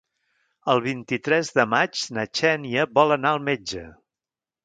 El vint-i-tres de maig na Xènia vol anar al metge.